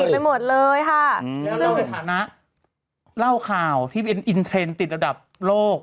แล้วถ้าเราเป็นฐานะเล่าข่าวที่เป็นอินเทรนด์ติดระดับโลก